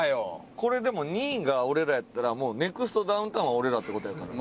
これでも２位が俺らやったらもうネクストダウンタウンは俺らって事やからね。